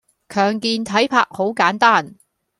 強健體魄好簡單